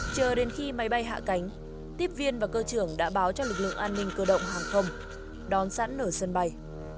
chờ đến khi máy bay hạ cánh tiếp viên và cơ trưởng đã báo cho lực lượng an ninh cơ động hàng không đón sẵn ở sân bay